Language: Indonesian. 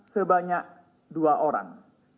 sebanyak dua orang